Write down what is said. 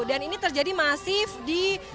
dan ini terjadi masif di